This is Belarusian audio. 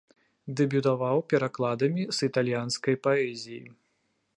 Дэбютаваў перакладамі з італьянскай паэзіі.